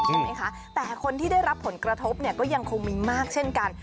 ใช่ไหมคะแต่คนที่ได้รับผลกระทบเนี่ยก็ยังคงมีมากเช่นกัน